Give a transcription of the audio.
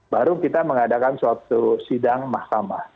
baru kita mengadakan suatu sidang mahkamah